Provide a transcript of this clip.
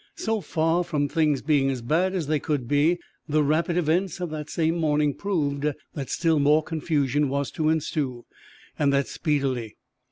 So far from things being as bad as they could be, the rapid events of that same morning proved that still more confusion was to ensue, and that speedily.